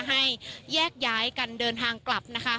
ให้แยกย้ายกันเดินทางกลับนะคะ